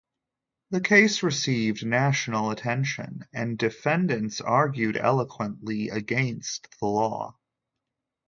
The case received national attention, and defendants argued eloquently against the law.